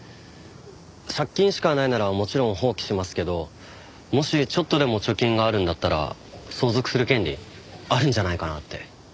借金しかないならもちろん放棄しますけどもしちょっとでも貯金があるんだったら相続する権利あるんじゃないかなって。